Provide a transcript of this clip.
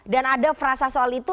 dan ada frasa soal itu